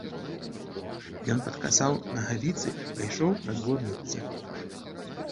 Ён падкасаў нагавіцы і пайшоў на двор мыцца.